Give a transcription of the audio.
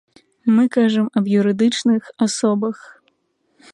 Мы кажам аб юрыдычных асобах.